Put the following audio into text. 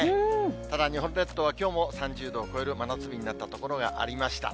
ただ、日本列島はきょうも３０度を超える真夏日になった所がありました。